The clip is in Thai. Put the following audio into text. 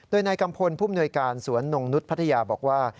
โดยนายกัมพลผู้มนวยการสวนนงนุษย์พัทยาบอกว่า